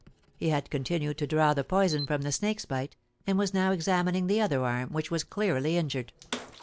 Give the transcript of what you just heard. He had continued to draw the poison from the snake's bite, and was now examining the other arm, which was clearly injured.